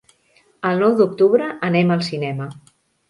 El nou d'octubre anem al cinema.